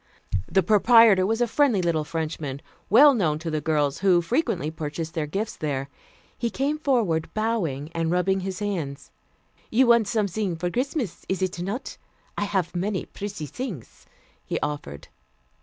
The proprietor was a friendly little Frenchman, well known to the girls, who frequently purchased their gifts there. He came forward, bowing and rubbing his hands. "You want something for Christmas, is it not? I haf many pretty things," he offered.